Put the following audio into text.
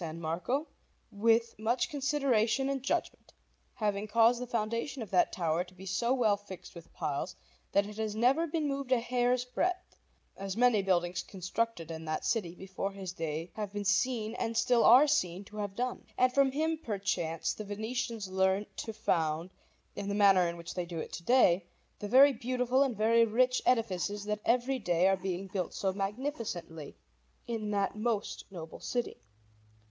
Marco with much consideration and judgment, having caused the foundation of that tower to be so well fixed with piles that it has never moved a hair's breadth, as many buildings constructed in that city before his day have been seen and still are seen to have done. And from him, perchance, the Venetians learnt to found, in the manner in which they do it to day, the very beautiful and very rich edifices that every day are being built so magnificently in that most noble city.